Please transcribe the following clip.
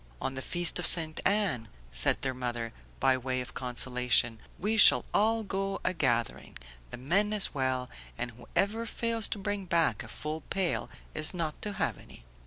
"On the feast of Ste. Anne," said their mother by way of consolation, "we shall all go a gathering; the men as well, and whoever fails to bring back a full pail is not to have any."